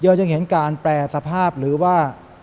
ยังเห็นการแปรสภาพหรือว่า